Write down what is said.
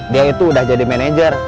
dia itu udah jadi manajer